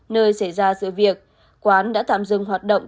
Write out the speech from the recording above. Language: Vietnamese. nơi xảy ra sự việc quán đã tạm dừng hoạt động